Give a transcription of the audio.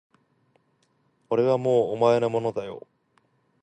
俺はもうお前のものだよ